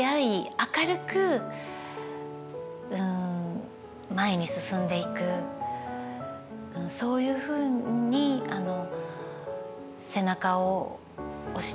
明るく前に進んでいくそういうふうに背中を押してもらってましたので。